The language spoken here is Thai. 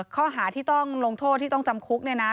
ข้อหาที่ต้องลงโทษที่ต้องจำคุกเนี่ยนะ